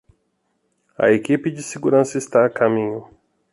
A equipe de segurança está a caminho.